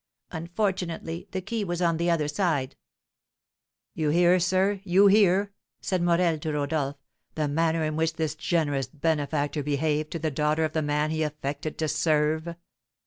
Unfortunately, the key was on the other side." "You hear, sir, you hear," said Morel to Rodolph, "the manner in which this generous benefactor behaved to the daughter of the man he affected to serve!"